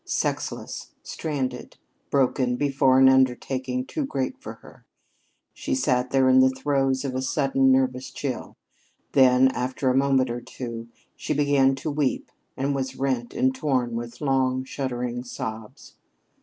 Sexless, stranded, broken before an undertaking too great for her, she sat there in the throes of a sudden, nervous chill. Then, after a moment or two, she began to weep and was rent and torn with long, shuddering sobs.